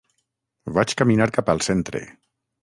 Vaig caminar cap al centre.